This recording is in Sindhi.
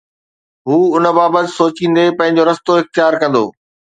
هو ان بابت سوچيندي پنهنجو رستو اختيار ڪندو